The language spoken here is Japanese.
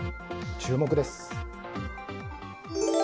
注目です。